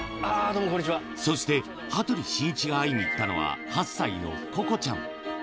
そして羽鳥慎一が会いに行ったのは、８歳のここちゃん。